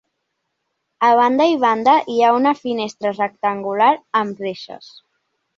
A banda i banda hi ha una finestra rectangular amb reixes.